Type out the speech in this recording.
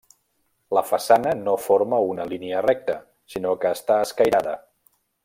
La façana no forma una línia recta, sinó que està escairada.